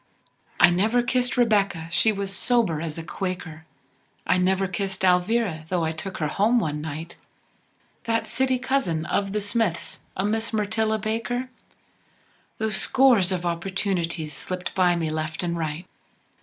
I never kissed Rebecca, she was sober as a Quaker, I never kissed Alvira, though I took her home one night, That city cousin of the Smiths, a Miss Myrtilla Baker, Though scores of opportunities slipped by me, left an' right.